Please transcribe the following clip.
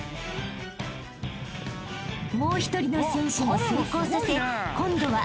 ［もう１人の選手も成功させ今度は２ｍ４］